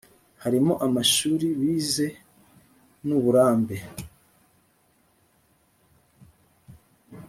harimo amashuri bize n‘uburambe